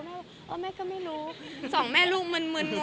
ก็บอกว่าเซอร์ไพรส์ไปค่ะ